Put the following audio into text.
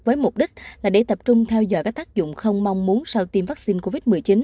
với mục đích là để tập trung theo dõi các tác dụng không mong muốn sau tiêm vaccine covid một mươi chín